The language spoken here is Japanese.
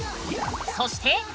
そして！